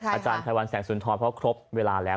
อาจารย์ไพรวันแสงสุนทรเพราะครบเวลาแล้ว